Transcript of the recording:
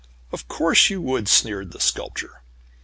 "Of course you would," sneered the Sculptor.